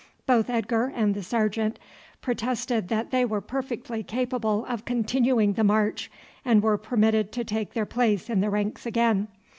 Both Edgar and the sergeant protested that they were perfectly capable of continuing the march, and were permitted to take their place in the ranks again.